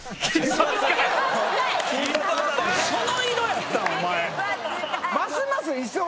その色やったん⁉お前。